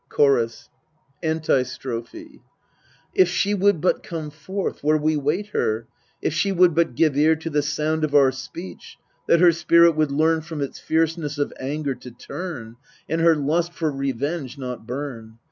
I CHORUS. Antistrophe If she would but come forth where we wait her, If she would but give ear to the sound Of our speech, that her spirit would learn From its fierceness of anger to turn, And her lust for revenge not burn